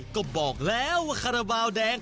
ก็บอกแล้วว่าคาราบาลแดง